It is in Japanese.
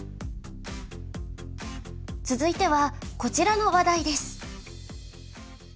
続いてはこちらの話題です。